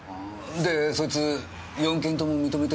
でそいつ４件とも認めてんの？